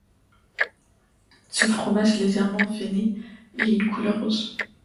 Ce fromage est légèrement veiné et a une couleur rousse.